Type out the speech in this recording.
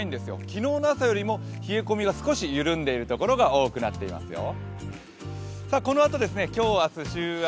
昨日の朝よりも冷え込みが少し緩んでいるところが多いですよ。